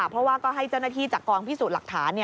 เพราะว่าก็ให้เจ้าหน้าที่จากกองพิสูจน์หลักฐาน